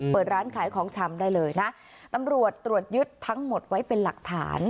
เปิดร้านขายของชำได้เลยนะตำรวจตรวจยึดทั้งหมดไว้เป็นหลักฐาน